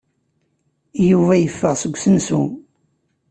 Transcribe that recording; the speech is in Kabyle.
Yuba yeffeɣ seg usensu.